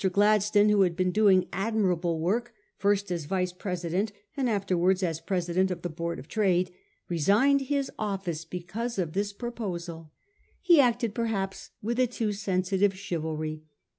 Gladstone, who had been doing admirable work, first as Yice President, and afterwards as President, of the Board of Trade, resigned his office because of tLis proposal. He acted, perhaps, with a too sensitive chivalry.